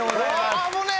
危ねえ。